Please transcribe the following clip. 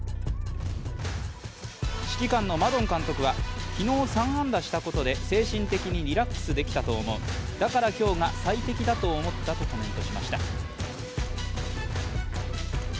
指揮官のマドン監督は、昨日３安打したことで精神的にリラックスできたと思うだから今日が最適だと思ったとコメントしました。